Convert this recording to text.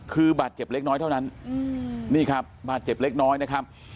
คือบาดเจ็บเล็กน้อยเท่านั้นนี่ครับบาดเจ็บเล็กน้อยนะครับ